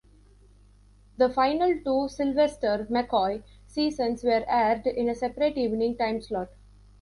The final two Sylvester McCoy seasons were aired in a separate evening time slot.